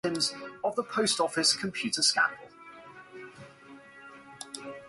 The Hall River drains its waters from the Lake Paringa.